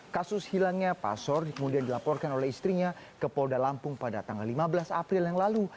kasus hilangnya pasor kemudian dilaporkan oleh istrinya ke polda lampung pada tanggal lima belas april yang lalu